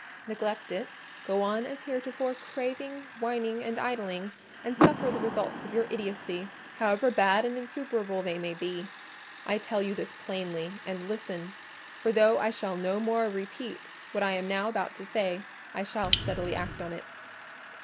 Neglect it—go on as heretofore, craving, whining, and idling—and suffer the results of your idiocy, however bad and insufferable they may be. I tell you this plainly; and listen: for though I shall no more repeat what I am now about to say, I shall steadily act on it.